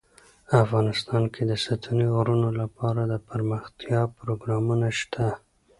افغانستان کې د ستوني غرونه لپاره دپرمختیا پروګرامونه شته.